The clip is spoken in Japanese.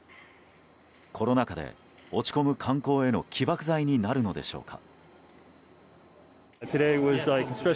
コロナ禍で落ち込む観光への起爆剤になるのでしょうか。